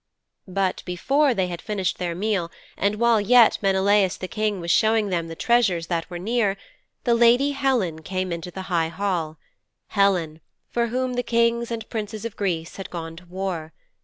But before they had finished their meal, and while yet Menelaus the king was showing them the treasures that were near, the lady Helen came into the high hall Helen for whom the Kings and Princes of Greece had gone to war.